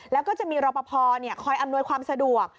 แล้วก็จะมีรอปภคอยอำนวยความสะดวก